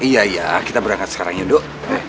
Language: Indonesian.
iya iya kita berangkat sekarang yudo